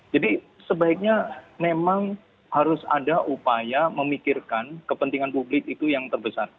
jadi sebaiknya memang harus ada upaya memikirkan kepentingan publik itu yang terbesar